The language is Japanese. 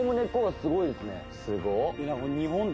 すごっ。